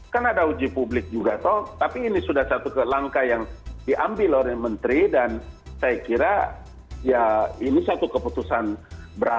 kan ada uji publik juga toh tapi ini sudah satu langkah yang diambil oleh menteri dan saya kira ya ini satu keputusan berat